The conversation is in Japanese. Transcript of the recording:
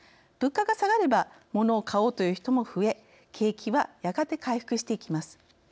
物価が下がればモノを買おうという人も増え景気はやがて回復していきます。